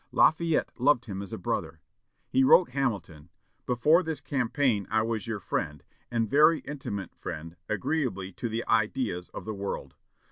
Lafayette loved him as a brother. He wrote Hamilton, "Before this campaign I was your friend and very intimate friend, agreeably to the ideas of the world.